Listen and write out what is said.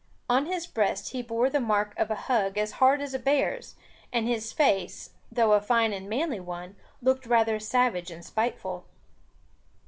On his breast he bore the mark of a hug as hard as a bear's; and his face, though a fine and manly one, looked rather savage and spiteful.